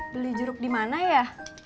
beli jeruk dimana ya